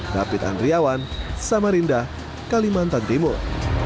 david andriawan samarinda kalimantan timur